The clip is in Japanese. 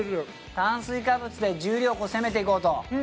炭水化物で重量を攻めていこうと。